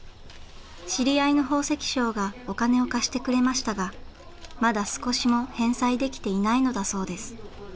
知り合いの宝石商がお金を貸してくれましたがまだ少しも返済できていないのだそうです。